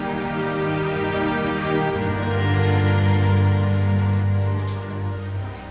ketidaksempurnaan saya akhirnya berubah rupa sebagai wujud syukur kepada allah swt